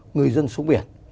người dân xuống biển